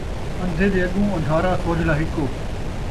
اندھے دے اڳوں، اندھارا سوجھلا ہکو